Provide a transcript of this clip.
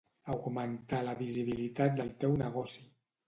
Augmentar la visibilitat del teu negoci